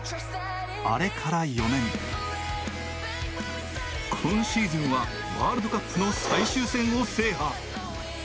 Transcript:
あれから４年、今シーズンはワールドカップの最終戦を制覇。